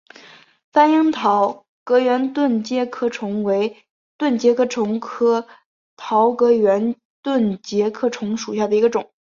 番樱桃葛圆盾介壳虫为盾介壳虫科桃葛圆盾介壳虫属下的一个种。